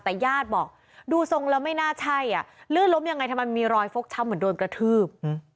แต่ญาติบอกดูทรงแล้วไม่น่าใช่ลื่นล้มยังไงทำไมมีรอยฟกช้ำเหมือนโดนกระทืบ